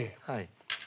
はい。